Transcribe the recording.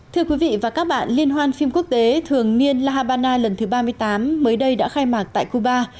thưa quý vị và các bạn liên hoan phim quốc tế thường niên la habana lần thứ ba mươi tám mới đây đã khai mạc tại cuba